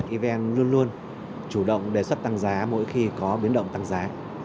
evn luôn luôn chủ động đề xuất tăng giá mỗi khi có biến động tăng giá